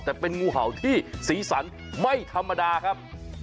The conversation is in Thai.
แต่เป็นงูเห่าที่สีสันไม่ธรรมดาครับ